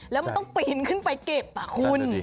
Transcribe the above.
แล้วมันต้องปีนขึ้นไปเก็บคุณ